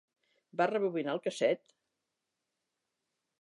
Vas rebobinar el casset?